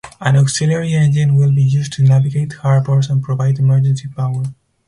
An auxiliary engine will be used to navigate harbors and provide emergency power.